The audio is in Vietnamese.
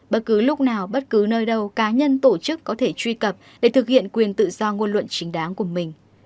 bất cứ lúc nào bất cứ nơi đâu cá nhân tổ chức có thể truy cập để thực hiện quyền tự do ngôn luận chính đáng của mình